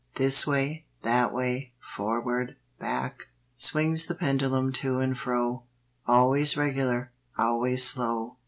This way, that way, forward, back, Swings the pendulum to and fro, Always regular, always slow.